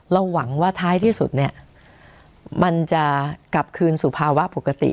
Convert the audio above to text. หวังว่าท้ายที่สุดเนี่ยมันจะกลับคืนสู่ภาวะปกติ